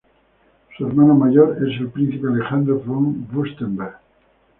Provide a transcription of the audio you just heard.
Su hermano mayor es el príncipe Alejandro von Fürstenberg.